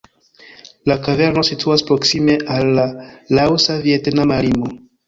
La kaverno situas proksime al la Laosa-Vjetnama limo.